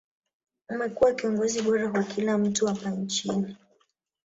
amekuwa kiongozi bora kwa kila mtu hapa nchini